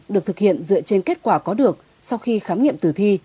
được thực hiện dựa trên kết quả có được sau khi khám nghiệm tử thi